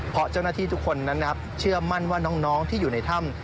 เพราะเจ้าหน้าที่ทุกคนนั้นนะครับเชื่อมั่นว่าน้องที่อยู่ในถ้ำ